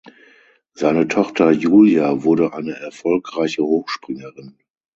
Seine Tochter Julia wurde eine erfolgreiche Hochspringerin.